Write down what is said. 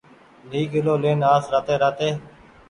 ۮي ڪلو لين آس راتي راتي